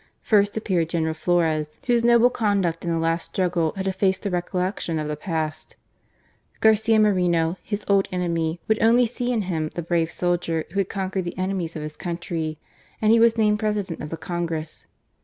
First appeared General Flores, whose noble conduct in the last struggle had effaced the recollection of the past. Garcia Moreno, his old enemy, would only see in him the brave soldier who had conquered the enemies of his country, and he was named President of the Congress.